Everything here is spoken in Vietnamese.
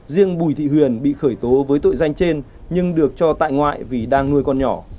riêng bùi thị huyền bị khởi tố với tội danh trên nhưng được cho tại ngoại vì đang nuôi con nhỏ